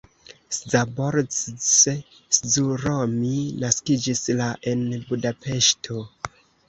Szabolcs Szuromi naskiĝis la en Budapeŝto.